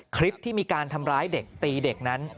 คลิปที่มีการทำร้ายเด็กตีเด็กนั้น